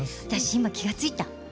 私今気が付いた。